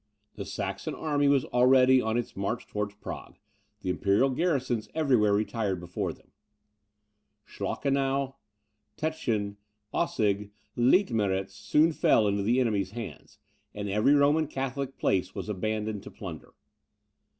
The Saxon army was already on its march towards Prague, the imperial garrisons everywhere retired before them. Schloeckenau, Tetschen, Aussig, Leutmeritz, soon fell into the enemy's hands, and every Roman Catholic place was abandoned to plunder.